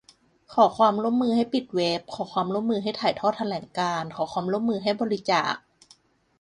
ขอความร่วมมือให้ปิดเว็บ ขอความร่วมมือให้ถ่ายทอดแถลงการณ์ ขอความร่วมมือให้บริจาค